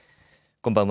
こんばんは。